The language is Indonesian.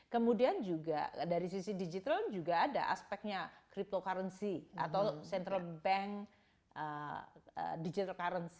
kemudian juga dari sisi digital juga ada aspeknya cryptocurrency atau central bank digital currency